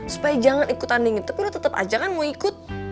supaya jangan ikut tandingin tapi udah tetap aja kan mau ikut